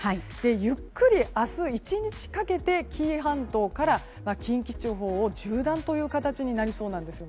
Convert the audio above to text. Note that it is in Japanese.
ゆっくり明日１日かけて紀伊半島から近畿地方を縦断という形になりそうなんです。